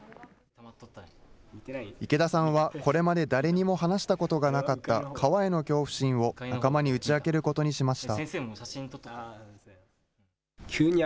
池田さんは、これまで誰にも話したことがなかった川への恐怖心を仲間に打ち明けることにしました。